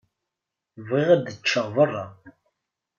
Bɣiɣ ad ččeɣ beṛṛa.